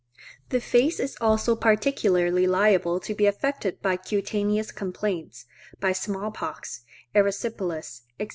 The face is also particularly liable to be affected by cutaneous complaints, by small pox, erysipelas, &c.